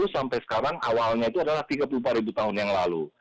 sampai sekarang awalnya itu adalah tiga puluh empat ribu tahun yang lalu